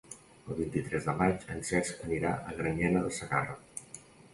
El vint-i-tres de maig en Cesc anirà a Granyena de Segarra.